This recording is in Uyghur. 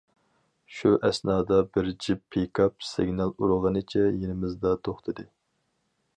شۇ ئەسنادا بىر جىپ پىكاپ سىگنال ئۇرغىنىچە يېنىمىزدا توختىدى.